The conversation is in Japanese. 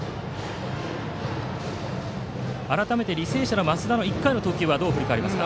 改めて履正社の増田の１回の投球はどう振り返りますか。